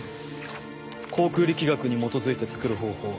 航空力学に基づいて作る方法。